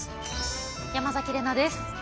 山崎怜奈です。